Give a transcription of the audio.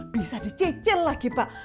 bisa dicecil lagi pak